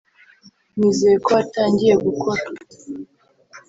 nizeye ko watangiye gukora